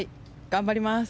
頑張ります。